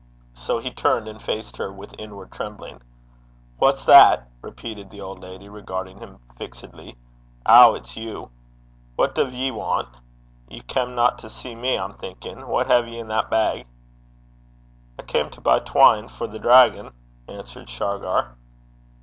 So he turned and faced her with inward trembling. 'Wha's that?' repeated the old lady, regarding him fixedly. 'Ow, it's you! What duv ye want? Ye camna to see me, I'm thinkin'! What hae ye i' that bag?' 'I cam to coff (buy) twine for the draigon,' answered Shargar.